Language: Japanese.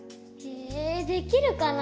えできるかな？